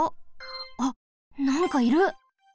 あっなんかいる！？